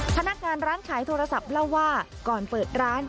พนักงานร้านขายโทรศัพท์เล่าว่าก่อนเปิดร้าน